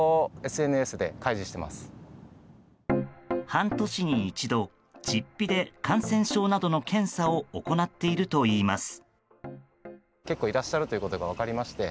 半年に１度、実費で感染症などの検査を行っているといいます。